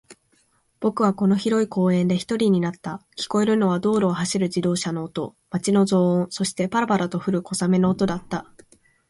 僕はこの広い公園で一人になった。聞こえるのは道路を走る自動車の音、街の雑音、そして、パラパラと降る小雨の音だった。